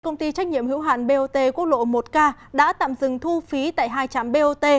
công ty trách nhiệm hữu hạn bot quốc lộ một k đã tạm dừng thu phí tại hai trạm bot